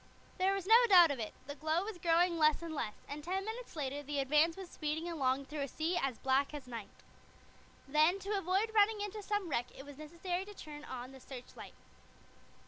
There was no doubt of it, the glow was growing less and less, and ten minutes later the Advance was speeding along through a sea as black as night. Then, to avoid running into some wreck, it was necessary to turn on the searchlight.